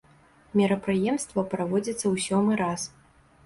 Мерапрыемства праводзіцца ў сёмы раз.